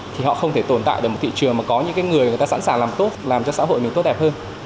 thì họ không thể tồn tại được một thị trường mà có những người người ta sẵn sàng làm tốt làm cho xã hội mình tốt đẹp hơn